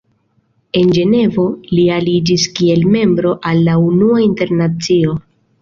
En Ĝenevo, li aliĝis kiel membro al la Unua Internacio.